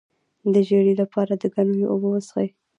د ژیړي لپاره د ګنیو اوبه وڅښئ